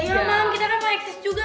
ya mam kita kan mau eksis juga